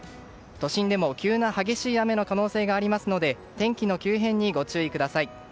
都心でも急な激しい雨の可能性がありますので天気の急変にご注意ください。